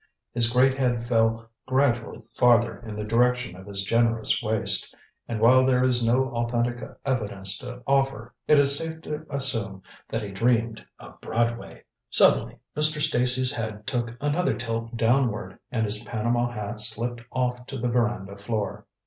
His great head fell gradually farther in the direction of his generous waist, and while there is no authentic evidence to offer, it is safe to assume that he dreamed of Broadway. Suddenly Mr. Stacy's head took another tilt downward, and his Panama hat slipped off to the veranda floor.